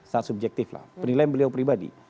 sangat subjektif lah penilaian beliau pribadi